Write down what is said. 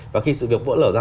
và khi sự việc vỡ lở ra